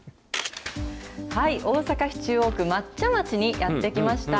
大阪市中央区まっちゃまちにやって来ました。